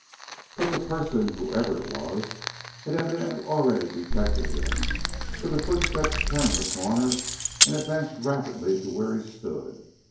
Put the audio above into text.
But the person, whoever it was, had evidently already detected him, for the footsteps turned the corner and advanced rapidly to where he stood.